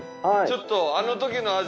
ちょっとあの時の味。